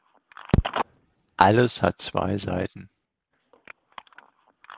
Alles hat zwei Seiten.